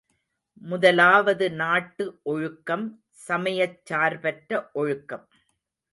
முதலாவது நாட்டு ஒழுக்கம் சமயச் சார்பற்ற ஒழுக்கம்.